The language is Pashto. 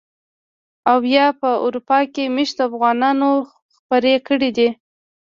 او يا په اروپا کې مېشتو افغانانو خپرې کړي دي.